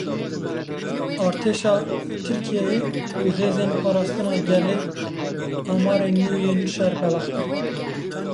Artêşa Tirkiyeyê û Hêzên Parastina Gelê amarên nû yên şer belav kirin.